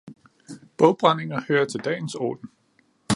Bogbrændinger hører til dagens orden.